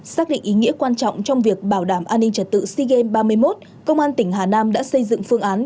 xác định ý nghĩa quan trọng trong việc bảo đảm an ninh trật tự sea games ba mươi một công an tỉnh hà nam đã xây dựng phương án